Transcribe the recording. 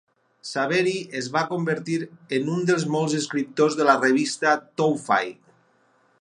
Saberi es va convertir en un dels molts escriptors de la revista "Towfigh".